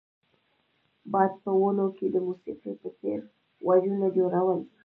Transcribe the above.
باد په ونو کې د موسیقۍ په څیر غږونه جوړول